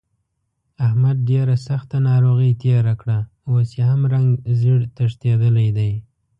احمد ډېره سخته ناروغۍ تېره کړه، اوس یې هم رنګ زېړ تښتېدلی دی.